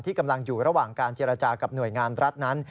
กำลังอยู่ระหว่างการเจรจากับหน่วยงานรัฐนั้น